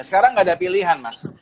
sekarang nggak ada pilihan mas